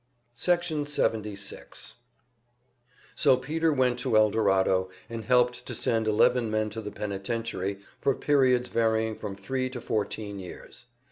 Section 76 So Peter went to Eldorado, and helped to send eleven men to the penitentiary for periods varying from three to fourteen years.